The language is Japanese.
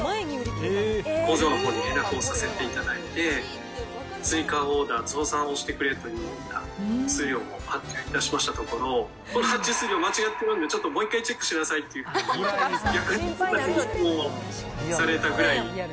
工場のほうに連絡をさせていただいて、追加オーダー、増産をしてくれというふうな数量を発注いたしましたところ、この発注数量間違ってるんで、もう一回チェックしてくださいって依頼をされたぐらい。